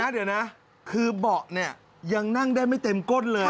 เดี๋ยวนะคือเบาะเนี่ยยังนั่งได้ไม่เต็มก้นเลย